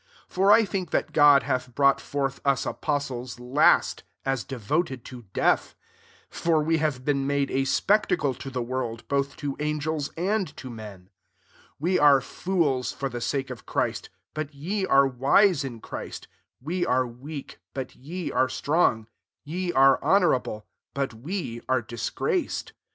9 For I think [that] God hath brought forth us apostles, last,t as devoted to death ; for we have been made a spectacle to the world, both to angels and to men. 10 We are fools for the sake of Christ, but ye are wise in Christ ; we are weak, but ye are strong; ye are honourable, but we are disgraced. 276 1 CORINTHIANS V.